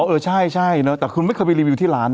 เออใช่เนอะแต่คุณไม่เคยไปรีวิวที่ร้าน